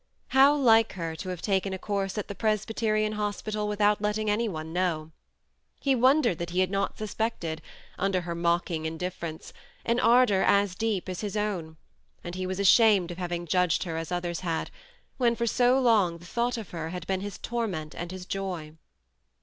How like her to have taken a course at the Presbyterian Hospital without letting any one know! He wondered that he had not suspected, under her mocking indifference, an ardour as deep as his own, and he was ashamed of having judged her as others had, when, for so long, the thought of her had been his torment and his joy.